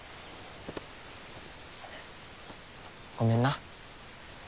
ごめんな。